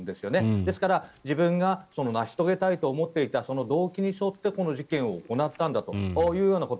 ですから自分が成し遂げたいと思っていた動機に沿ってこの事件を行ったんだということ。